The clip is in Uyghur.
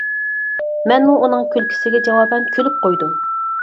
مەنمۇ ئۇنىڭ كۈلكىسىگە جاۋابەن كۈلۈپ قويدۇم.